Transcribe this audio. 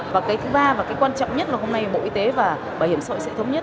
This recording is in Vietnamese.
và thứ ba và quan trọng nhất là hôm nay bộ y tế và bảo hiểm xã sẽ thống nhất